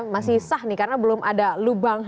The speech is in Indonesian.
masih sah nih karena belum ada lubang